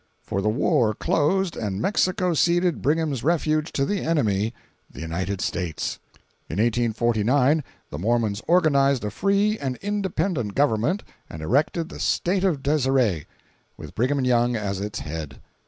For the war closed and Mexico ceded Brigham's refuge to the enemy—the United States! In 1849 the Mormons organized a "free and independent" government and erected the "State of Deseret," with Brigham Young as its head.